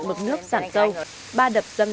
mực nước sản sâu ba đập dân